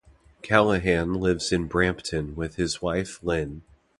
Callahan lives in Brampton with his wife Lyn.